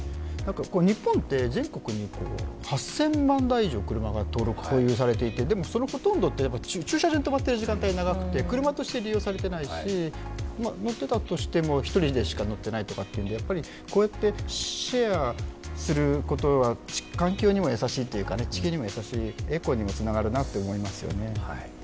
日本って全国に８０００万台以上車が購入されていて、でもそのほとんどって駐車場に止まっている時間が長くて、車として利用されていないし乗っていたとしても１人でしか乗っていないとかで、こうやってシェアすることは環境にも優しいというか、地球にも優しいエコにもつながるなと思いますよね。